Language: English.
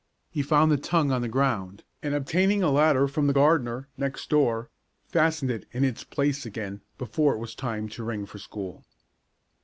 He found the tongue on the ground, and obtaining a ladder from the gardener, next door, fastened it in its place again before it was time to ring for school.